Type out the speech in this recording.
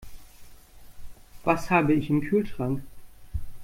Was habe ich im Kühlschrank?